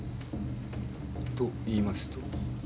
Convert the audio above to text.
と言いますと？